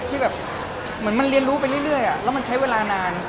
ที่แบบเหมือนมันเรียนรู้ไปเรื่อยแล้วมันใช้เวลานาน